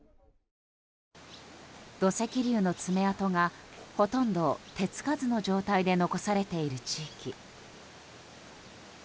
土石流の爪痕がほとんど手つかずの状態で残されている地域。